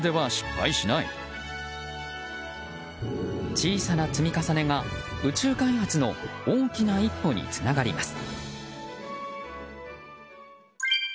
小さな積み重ねが宇宙開発の大きな一歩につながります。